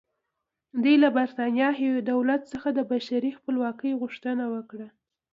دوی له برېټانیا دولت څخه د بشپړې خپلواکۍ غوښتنه وکړه.